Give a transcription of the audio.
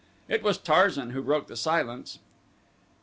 It was Tarzan who broke the silence.